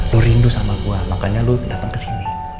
lu rindu sama gua makanya lu datang kesini